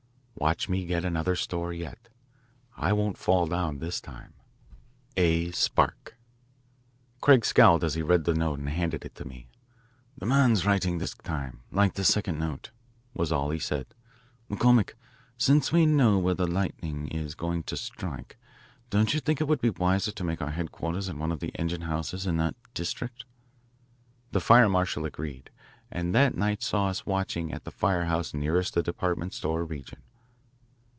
Watch me get another store yet. I won't fall down this time. Craig scowled as he read the note and handed it to me. "The man's A. SPARK. writing this time like the second note," was all he said. "McCormick, since we know where the lightning is going to strike, don't you think it would be wiser to make our headquarters in one of the engine houses in that district?" The fire marshal agreed, and that night saw us watching at the fire house nearest the department store region.